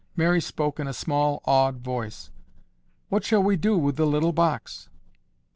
Mary spoke in a small awed voice. "What shall we do with the little box?"